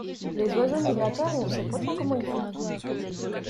Les oiseaux migrateurs, on sait pas trop comment ils font.